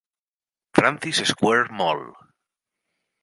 Francis Square Mall.